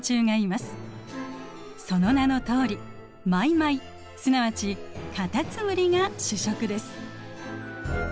その名のとおりマイマイすなわちカタツムリが主食です。